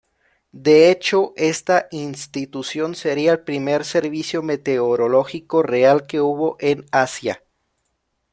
De hecho, esta institución sería el primer servicio meteorológico real que hubo en Asia.